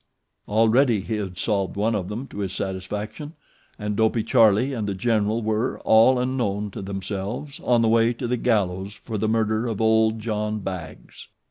Already he had solved one of them to his satisfaction; and Dopey Charlie and The General were, all unknown to themselves, on the way to the gallows for the murder of Old John Baggs.